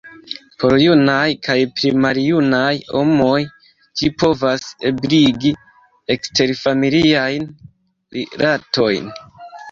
Por junaj kaj pli maljunaj homoj ĝi povas ebligi eksterfamiliajn rilatojn.